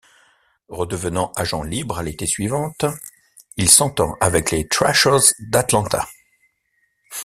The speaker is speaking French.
Redevenant agent libre à l'été suivante, il s'entend avec les Thrashers d'Atlanta.